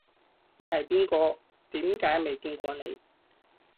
你係邊個？點解未見過你